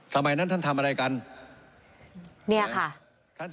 ทำไมนั้นท่านทำอะไรกัน